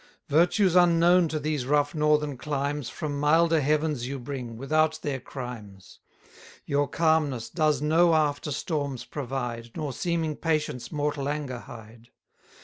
Virtues unknown to these rough northern climes From milder heavens you bring, without their crimes. 90 Your calmness does no after storms provide, Nor seeming patience mortal anger hide.